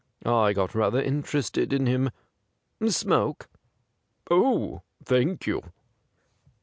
I got rather interested in him. Smoke .'''' Oh, thank you.'